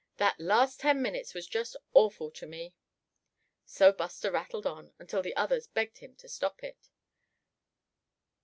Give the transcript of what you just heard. That last ten minutes was just awful to me!" So Buster rattled on until the others begged him to stop it.